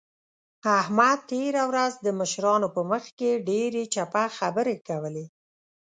احمد تېره ورځ د مشرانو په مخ کې ډېرې چپه خبرې کولې.